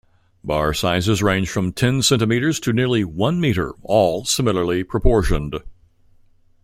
Bar sizes range from ten centimetres to nearly one metre, all similarly proportioned.